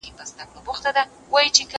زه به سبا سبزیحات پاختم؟!